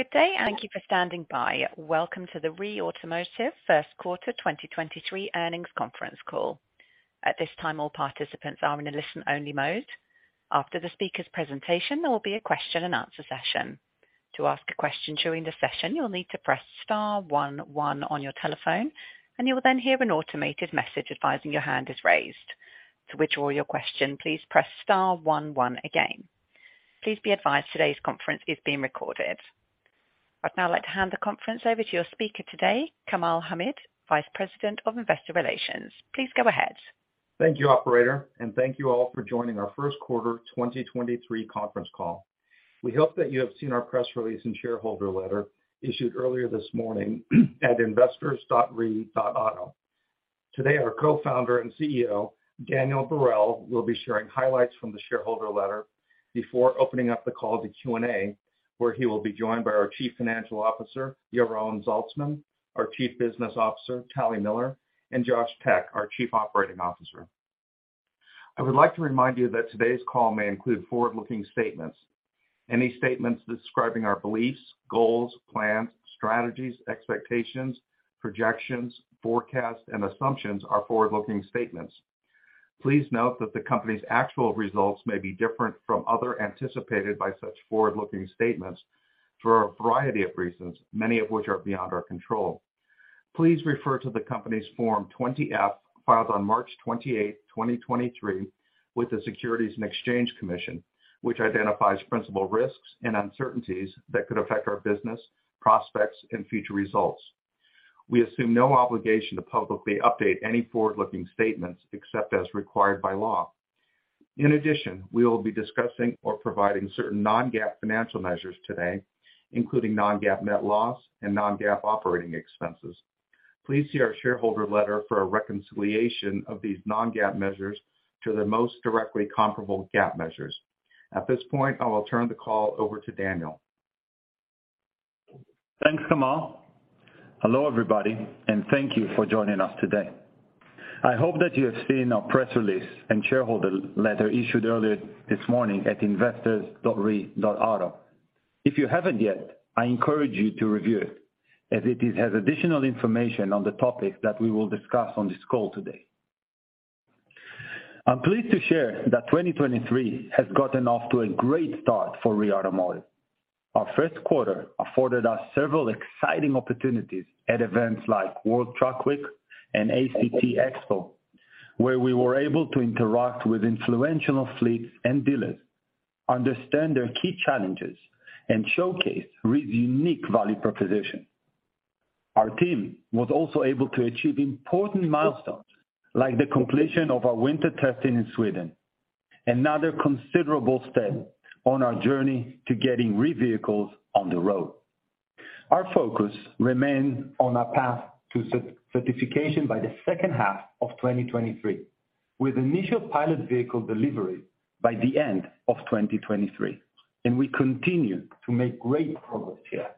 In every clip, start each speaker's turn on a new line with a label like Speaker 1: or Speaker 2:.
Speaker 1: Good day. Thank you for standing by. Welcome to the REE Automotive first quarter 2023 earnings conference call. At this time, all participants are in a listen-only mode. After the speaker's presentation, there will be a question and answer session. To ask a question during the session, you'll need to press star 11 on your telephone. You will then hear an automated message advising your hand is raised. To withdraw your question, please press star 11 again. Please be advised today's conference is being recorded. I'd now like to hand the conference over to your speaker today, Kamal Hamid, Vice President of Investor Relations. Please go ahead.
Speaker 2: Thank you, operator, thank you all for joining our first quarter 2023 conference call. We hope that you have seen our press release and shareholder letter issued earlier this morning at investors.ree.auto. Today, our Co-Founder and CEO, Daniel Barel, will be sharing highlights from the shareholder letter before opening up the call to Q&A, where he will be joined by our Chief Financial Officer, Yaron Zaltsman, our Chief Business Officer, Tali Miller, and Josh Tech, our Chief Operating Officer. I would like to remind you that today's call may include forward-looking statements. Any statements describing our beliefs, goals, plans, strategies, expectations, projections, forecasts, and assumptions are forward-looking statements. Please note that the company's actual results may be different from other anticipated by such forward-looking statements for a variety of reasons, many of which are beyond our control. Please refer to the company's Form 20-F, filed on March 28, 2023, with the Securities and Exchange Commission, which identifies principal risks and uncertainties that could affect our business, prospects, and future results. We assume no obligation to publicly update any forward-looking statements except as required by law. In addition, we will be discussing or providing certain non-GAAP financial measures today, including non-GAAP net loss and non-GAAP operating expenses. Please see our shareholder letter for a reconciliation of these non-GAAP measures to the most directly comparable GAAP measures. At this point, I will turn the call over to Daniel.
Speaker 3: Thanks, Kamal. Hello, everybody, and thank you for joining us today. I hope that you have seen our press release and shareholder letter issued earlier this morning at investors.ree.auto. If you haven't yet, I encourage you to review it as it has additional information on the topic that we will discuss on this call today. I'm pleased to share that 2023 has gotten off to a great start for REE Automotive. Our 1st quarter afforded us several exciting opportunities at events like Work Truck Week and ACT Expo, where we were able to interact with influential fleets and dealers, understand their key challenges, and showcase REE's unique value proposition. Our team was also able to achieve important milestones like the completion of our winter testing in Sweden, another considerable step on our journey to getting REE vehicles on the road. Our focus remains on our path to certification by the second half of 2023, with initial pilot vehicle delivery by the end of 2023, and we continue to make great progress here.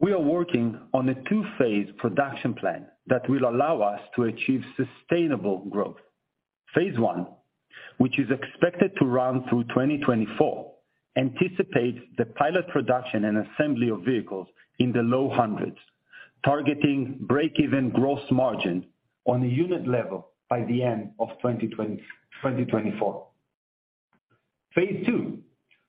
Speaker 3: We are working on a two-phase production plan that will allow us to achieve sustainable growth. Phase one, which is expected to run through 2024, anticipates the pilot production and assembly of vehicles in the low hundreds, targeting break-even gross margin on a unit level by the end of 2024. Phase two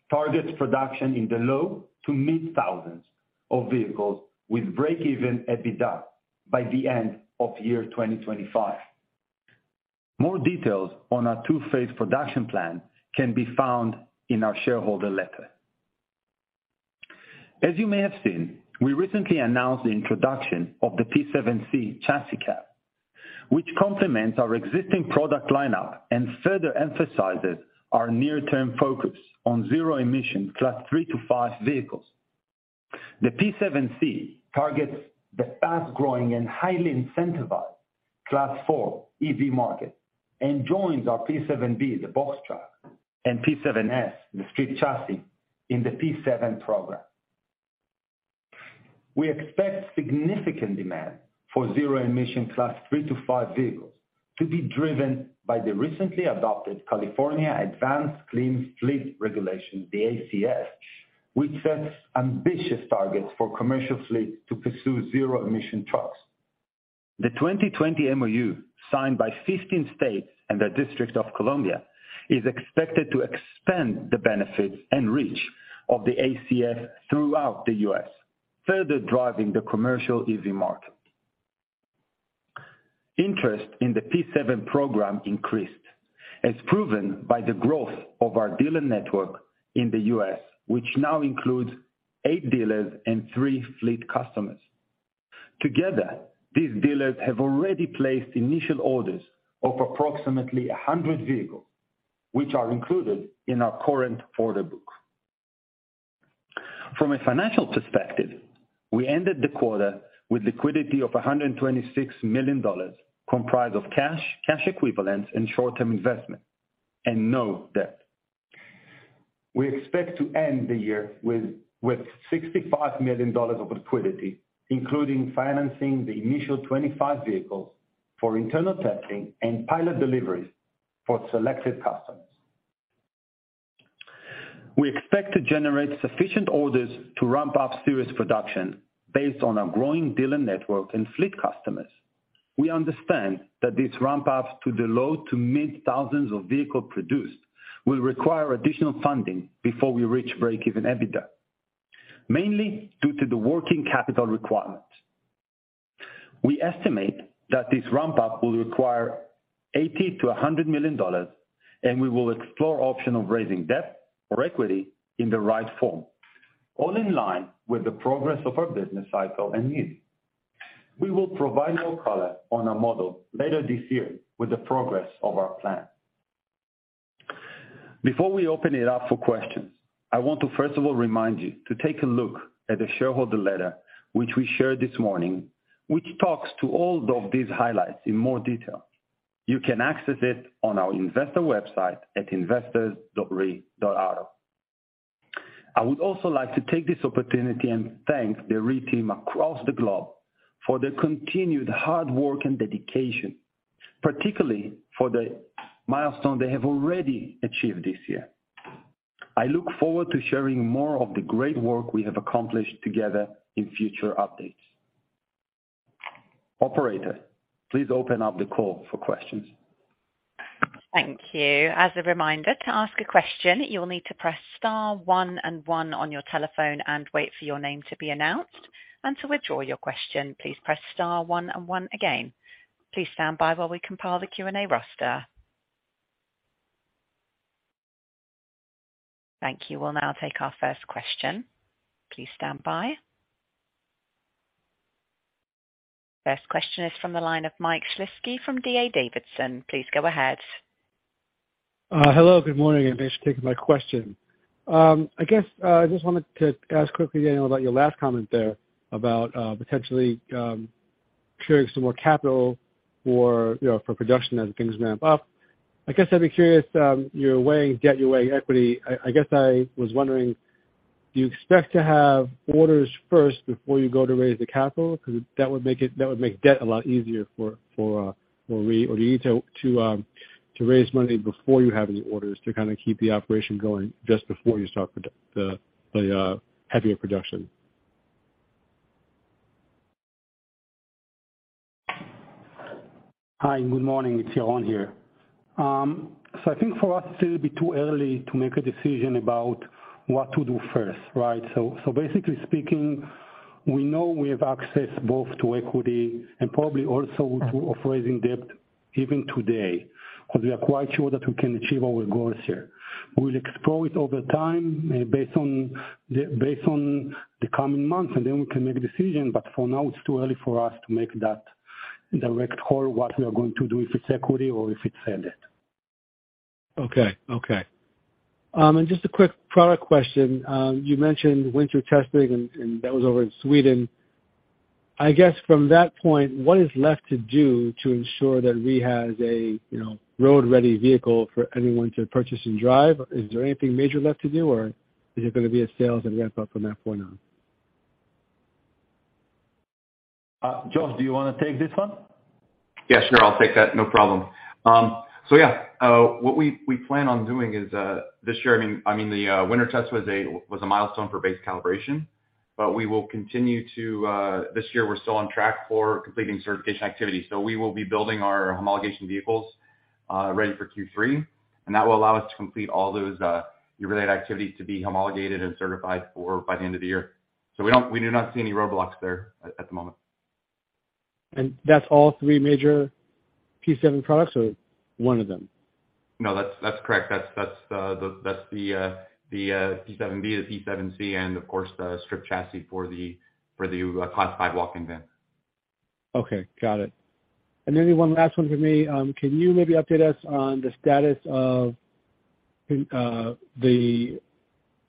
Speaker 3: targets production in the low to mid-thousands of vehicles with break-even EBITDA by the end of year 2025. More details on our two-phase production plan can be found in our shareholder letter. As you may have seen, we recently announced the introduction of the P7-C chassis cab, which complements our existing product lineup and further emphasizes our near-term focus on zero-emission Class 3 to 5 vehicles. The P7-C targets the fast-growing and highly incentivized Class 4 EV market and joins our P7-B, the box truck, and P7-S, the stripped chassis, in the P7 program. We expect significant demand for zero-emission Class 3 to 5 vehicles to be driven by the recently adopted California Advanced Clean Fleet Regulation, the ACF, which sets ambitious targets for commercial fleets to pursue zero-emission trucks. 2020 MOU signed by 15 states and the District of Columbia is expected to expand the benefits and reach of the ACF throughout the U.S., further driving the commercial EV market. Interest in the P7 program increased, as proven by the growth of our dealer network in the US, which now includes 8 dealers and 3 fleet customers. Together, these dealers have already placed initial orders of approximately 100 vehicles, which are included in our current order book. From a financial perspective, we ended the quarter with liquidity of $126 million, comprised of cash equivalents, and short-term investment and no debt. We expect to end the year with $65 million of liquidity, including financing the initial 25 vehicles for internal testing and pilot deliveries for selected customers. We expect to generate sufficient orders to ramp up series production based on our growing dealer network and fleet customers. We understand that this ramp up to the low to mid thousands of vehicle produced will require additional funding before we reach break-even EBITDA, mainly due to the working capital requirement. We estimate that this ramp up will require $80 million-$100 million, we will explore option of raising debt or equity in the right form, all in line with the progress of our business cycle and needs. We will provide more color on our model later this year with the progress of our plan. Before we open it up for questions, I want to first of all remind you to take a look at the shareholder letter which we shared this morning, which talks to all of these highlights in more detail. You can access it on our investor website at investors. REE.auto. I would also like to take this opportunity and thank the REE team across the globe for their continued hard work and dedication, particularly for the milestone they have already achieved this year. I look forward to sharing more of the great work we have accomplished together in future updates. Operator, please open up the call for questions.
Speaker 1: Thank you. As a reminder, to ask a question, you'll need to press star 1 and 1 on your telephone and wait for your name to be announced, and to withdraw your question, please press star 1 and 1 again. Please stand by while we compile the Q&A roster. Thank you. We'll now take our first question. Please stand by. First question is from the line of Mike Shlisky from D.A. Davidson. Please go ahead.
Speaker 4: Hello, good morning, and thanks for taking my question. I guess I just wanted to ask quickly, Daniel, about your last comment there about potentially securing some more capital for, you know, for production as things ramp up. I guess I'd be curious, you're weighing debt or weighing equity. I guess I was wondering, do you expect to have orders first before you go to raise the capital? Because that would make debt a lot easier for REE or do you need to raise money before you have any orders to kinda keep the operation going just before you start the heavier production?
Speaker 5: Hi, good morning. It's Yaron here. I think for us it's a little bit too early to make a decision about what to do first, right? Basically speaking, we know we have access both to equity and probably also to of raising debt even today, because we are quite sure that we can achieve our goals here. We'll explore it over time, based on the coming months, we can make a decision, but for now it's too early for us to make that direct call, what we are going to do, if it's equity or if it's sell debt.
Speaker 4: Okay. Okay. Just a quick product question. You mentioned winter testing and that was over in Sweden. I guess from that point, what is left to do to ensure that REE has a, you know, road-ready vehicle for anyone to purchase and drive? Is there anything major left to do, or is it gonna be a sales and ramp up from that point on?
Speaker 3: Josh, do you wanna take this one?
Speaker 6: Yeah, sure. I'll take that. No problem. Yeah, what we plan on doing is this year, I mean, the winter test was a was a milestone for base calibration, but we will continue to this year we're still on track for completing certification activities. We will be building our homologation vehicles ready for Q3, and that will allow us to complete all those EU-related activities to be homologated and certified for by the end of the year. We do not see any roadblocks there at the moment.
Speaker 4: That's all three major P7 products or one of them?
Speaker 6: No, that's correct. That's the P7-B, the P7-C, and of course, the stripped chassis for the classified walk-in van.
Speaker 4: Okay. Got it. One last one from me. Can you maybe update us on the status of the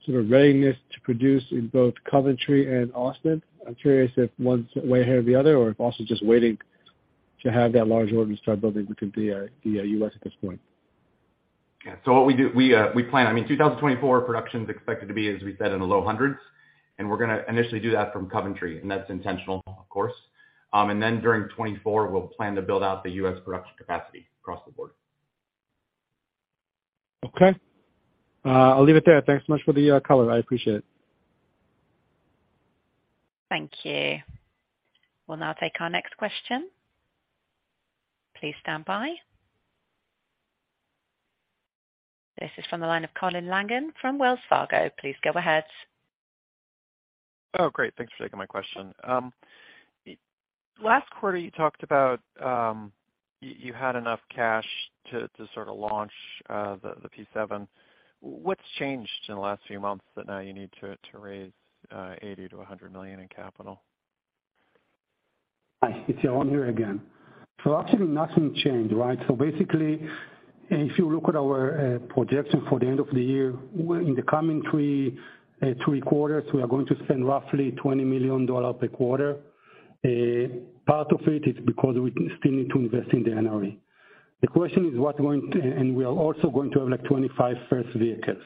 Speaker 4: sort of readiness to produce in both Coventry and Austin? I'm curious if one's way ahead of the other or if Austin's just waiting to have that large order to start building the U.S. at this point?
Speaker 6: Yeah. What we do, we. I mean, 2024 production is expected to be, as we said, in the low hundreds, and we're gonna initially do that from Coventry, and that's intentional of course. During 2024 we'll plan to build out the U.S. production capacity across the board.
Speaker 4: Okay. I'll leave it there. Thanks so much for the color. I appreciate it.
Speaker 1: Thank you. We'll now take our next question. Please stand by. This is from the line of Colin Langan from Wells Fargo. Please go ahead.
Speaker 7: Oh, great. Thanks for taking my question. last quarter you talked about, you had enough cash to sort of launch the P7. What's changed in the last few months that now you need to raise $80 million-$100 million in capital?
Speaker 5: Hi, it's Yaron here again. Actually nothing changed, right? Basically, if you look at our projection for the end of the year, in the coming three quarters, we are going to spend roughly $20 million per quarter. Part of it is because we still need to invest in the NRE. The question is. We are also going to have like 25 first vehicles.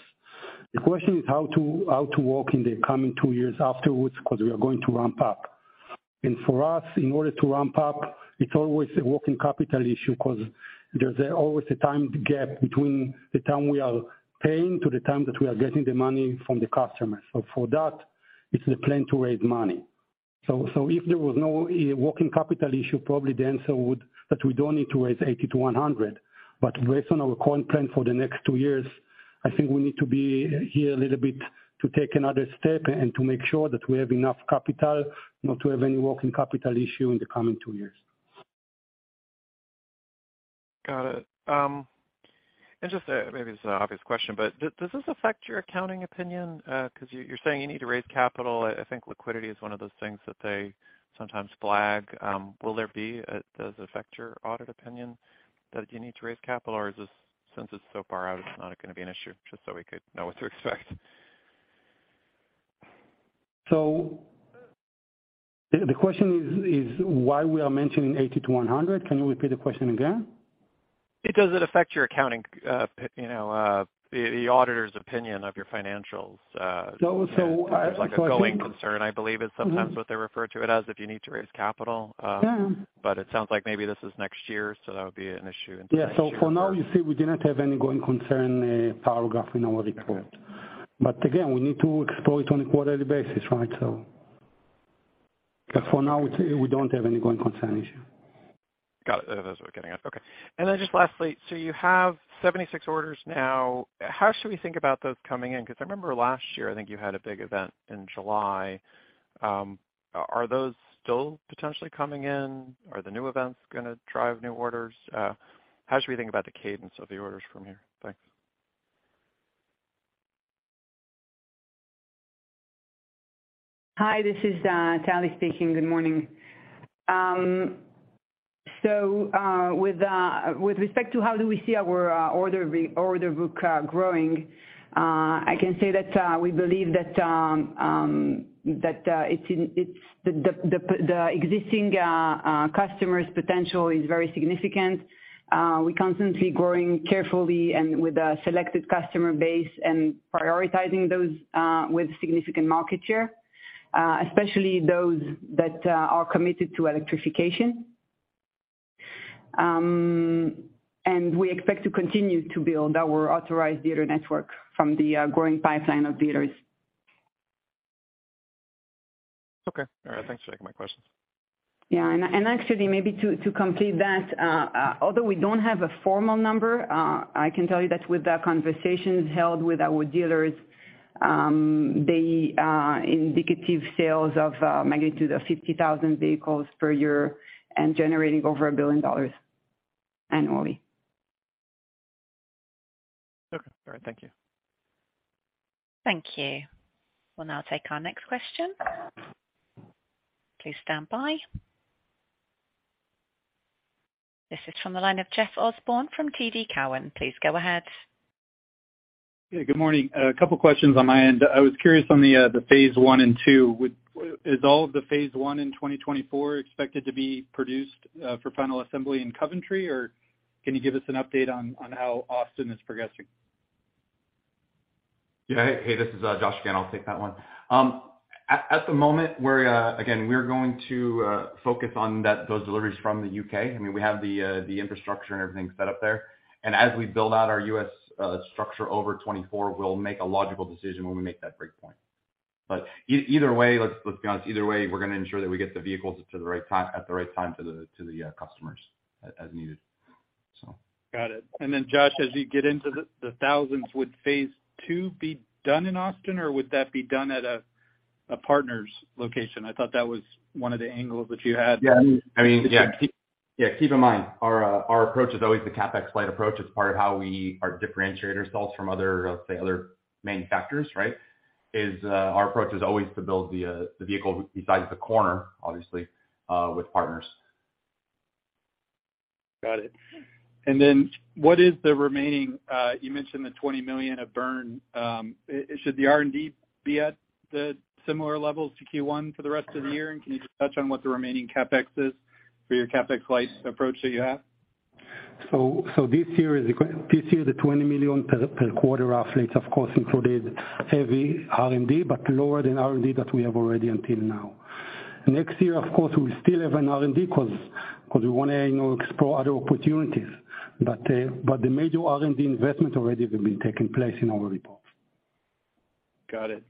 Speaker 5: The question is how to work in the coming two years afterwards because we are going to ramp up. For us, in order to ramp up, it's always a working capital issue because there's always a time gap between the time we are paying to the time that we are getting the money from the customers. For that, it's the plan to raise money. If there was no working capital issue, probably the answer would that we don't need to raise $80-$100. Based on our current plan for the next two years, I think we need to be here a little bit to take another step and to make sure that we have enough capital not to have any working capital issue in the coming two years.
Speaker 7: Got it. Just, maybe it's an obvious question, but does this affect your accounting opinion? Because you're saying you need to raise capital. I think liquidity is one of those things that they sometimes flag. Does it affect your audit opinion that you need to raise capital? Or is this, since it's so far out, it's not going to be an issue? Just so we could know what to expect.
Speaker 5: The question is why we are mentioning 80 to 100. Can you repeat the question again?
Speaker 7: Does it affect your accounting, you know, the auditor's opinion of your financials?
Speaker 5: So, so-
Speaker 7: There's like a going concern, I believe, is sometimes what they refer to it as if you need to raise capital. It sounds like maybe this is next year, that would be an issue.
Speaker 5: Yeah. For now, you see, we didn't have any going concern paragraph in our report. Again, we need to explore it on a quarterly basis, right? For now, we don't have any going concern issue.
Speaker 7: Got it. That's what I was getting at. Okay. Then just lastly, so you have 76 orders now. How should we think about those coming in? Because I remember last year, I think you had a big event in July. Are those still potentially coming in? Are the new events gonna drive new orders? How should we think about the cadence of the orders from here? Thanks.
Speaker 8: Hi, this is Tali speaking. Good morning. With respect to how do we see our order book growing, I can say that we believe that the existing customers' potential is very significant. We constantly growing carefully and with a selected customer base and prioritizing those with significant market share, especially those that are committed to electrification. We expect to continue to build our authorized dealer network from the growing pipeline of dealers.
Speaker 7: Okay. All right. Thanks for taking my questions.
Speaker 8: Yeah. Actually maybe to complete that, although we don't have a formal number, I can tell you that with the conversations held with our dealers, they indicative sales of magnitude of 50,000 vehicles per year and generating over $1 billion annually.
Speaker 7: Okay. All right. Thank you.
Speaker 1: Thank you. We'll now take our next question. Please stand by. This is from the line of Jeff Osborne from TD Cowen. Please go ahead.
Speaker 9: Yeah, good morning. A couple of questions on my end. I was curious on the phase one and two. Is all of the phase one in 2024 expected to be produced for final assembly in Coventry? Can you give us an update on how Austin is progressing?
Speaker 6: Yeah. Hey, this is Josh again. I'll take that one. At the moment, we're again, we're going to focus on those deliveries from the U.K. I mean, we have the infrastructure and everything set up there. As we build out our U.S. structure over 2024, we'll make a logical decision when we make that breakpoint. Either way, let's be honest, either way, we're gonna ensure that we get the vehicles at the right time to the customers as needed.
Speaker 9: Got it. Josh, as you get into the thousands, would phase two be done in Austin, or would that be done at a partner's location? I thought that was one of the angles that you had.
Speaker 6: I mean, yeah. Keep in mind, our approach is always the CapEx light approach. It's part of how we are differentiating ourselves from other, let's say, other manufacturers, right? Our approach is always to build the vehicle besides the corner, obviously, with partners.
Speaker 9: Got it. What is the remaining, you mentioned the $20 million of burn? Should the R&D be at the similar levels to Q1 for the rest of the year? Can you just touch on what the remaining CapEx is for your CapEx light approach that you have?
Speaker 5: This year, the $20 million per quarter roughly, it of course, included heavy R&D, but lower than R&D that we have already until now. Next year, of course, we still have an R&D because we wanna, you know, explore other opportunities. The major R&D investment already have been taking place in our reports.
Speaker 9: Got it.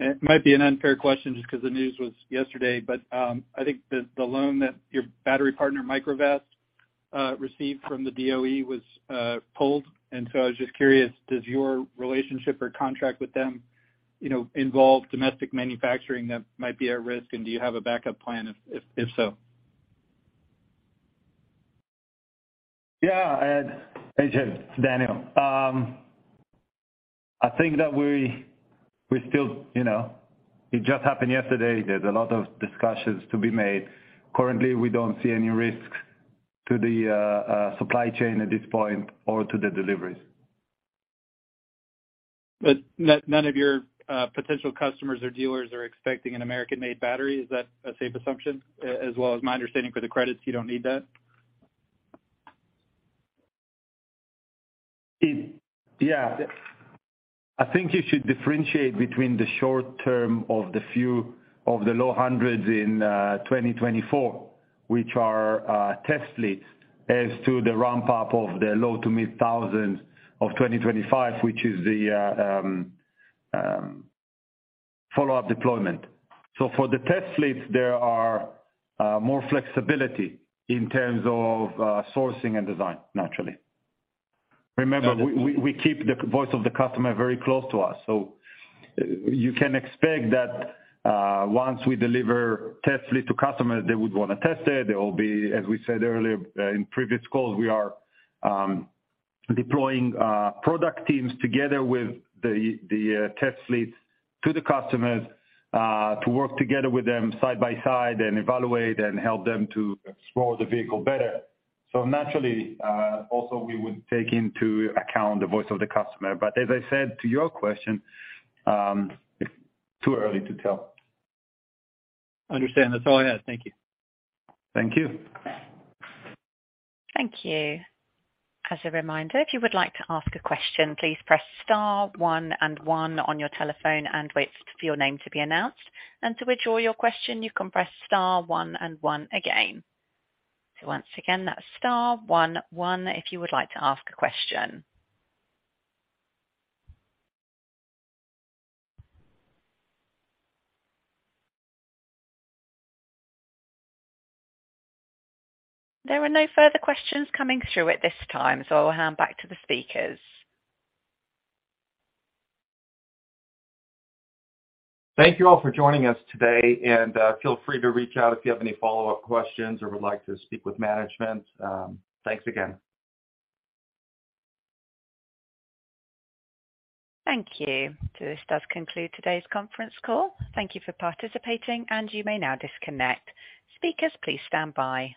Speaker 9: It might be an unfair question just because the news was yesterday, but, I think the loan that your battery partner, Microvast, received from the DOE was pulled. I was just curious, does your relationship or contract with them, you know, involve domestic manufacturing that might be at risk? Do you have a backup plan if so?
Speaker 3: Yeah. Ed. Hey, Jeff, it's Daniel. I think that we still, you know, it just happened yesterday. There's a lot of discussions to be made. Currently, we don't see any risks to the supply chain at this point or to the deliveries.
Speaker 9: None of your potential customers or dealers are expecting an American-made battery. Is that a safe assumption? As well as my understanding for the credits, you don't need that.
Speaker 3: Yeah. I think you should differentiate between the short term of the few, of the low hundreds in 2024, which are test fleets as to the ramp-up of the low to mid thousands of 2025, which is the follow-up deployment. For the test fleets, there are more flexibility in terms of sourcing and design, naturally. Remember, we keep the voice of the customer very close to us. You can expect that once we deliver test fleet to customers, they would wanna test it. There will be, as we said earlier in previous calls, we are deploying product teams together with the test fleets to the customers, to work together with them side by side and evaluate and help them to explore the vehicle better. Naturally, also we would take into account the voice of the customer. As I said to your question, it's too early to tell.
Speaker 9: Understand. That's all I had. Thank you.
Speaker 3: Thank you.
Speaker 1: Thank you. As a reminder, if you would like to ask a question, please press star one and one on your telephone and wait for your name to be announced. To withdraw your question, you can press star one and one again. Once again, that's star one one if you would like to ask a question. There are no further questions coming through at this time, so I'll hand back to the speakers.
Speaker 2: Thank you all for joining us today, and feel free to reach out if you have any follow-up questions or would like to speak with management. Thanks again.
Speaker 1: Thank you. This does conclude today's conference call. Thank you for participating, and you may now disconnect. Speakers, please stand by.